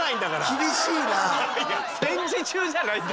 厳しいな。